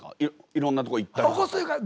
いろんなとこ行ったりとか。